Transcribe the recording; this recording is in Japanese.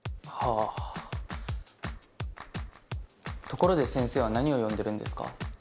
ところで先生は何を読んでるんですか？